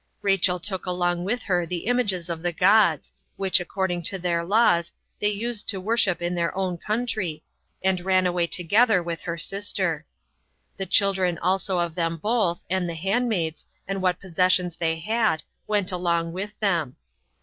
Rachel took along with her the images of the gods, which, according to their laws, they used to worship in their own country, and ran away together with her sister. The children also of them both, and the handmaids, and what possessions they had, went along with them.